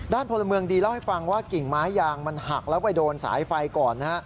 พลเมืองดีเล่าให้ฟังว่ากิ่งไม้ยางมันหักแล้วไปโดนสายไฟก่อนนะฮะ